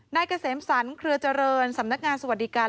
เกษมสรรเครือเจริญสำนักงานสวัสดิการ